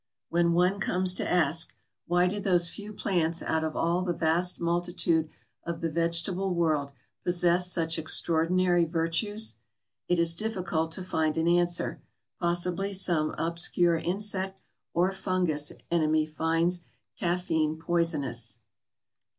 When one comes to ask, Why do those few plants out of all the vast multitude of the vegetable world possess such extraordinary virtues? it is difficult to find an answer. Possibly some obscure insect or fungus enemy finds caffeine poisonous.